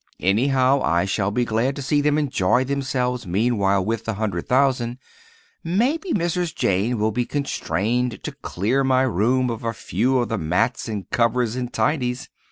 Anyhow, I shall be glad to see them enjoy themselves meanwhile with the hundred thousand. Maybe Mrs. Jane will be constrained to clear my room of a few of the mats and covers and tidies!